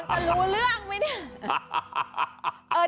จะรู้เรื่องไหมเนี่ย